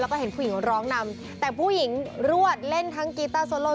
แล้วก็เห็นผู้หญิงร้องนำแต่ผู้หญิงรวดเล่นทั้งกีต้าโซโล